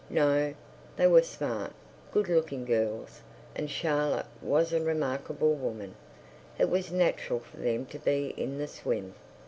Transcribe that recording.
No, they were smart, good looking girls, and Charlotte was a remarkable woman; it was natural for them to be in the swim.